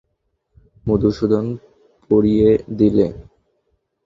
মধুসূদন পরিয়ে দিলে।